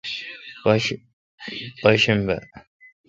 پاشنبہ